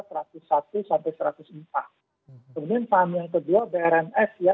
kemudian sam yang kedua brms ya